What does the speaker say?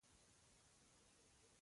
په غلا زده کړي کوو